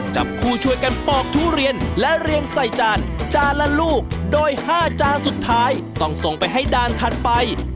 ๕จานสุดท้ายต้องส่งไปให้ด้านถัดไป